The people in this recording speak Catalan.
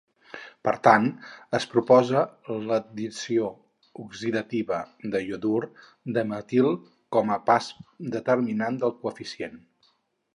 Per tant, es proposa l'addició oxidativa de iodur de metil com a pas determinant del coeficient.